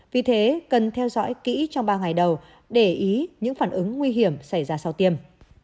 vì thế cần theo dõi kỹ trong ba ngày đầu để ý những phản ứng nguy hiểm xảy ra sau tiêm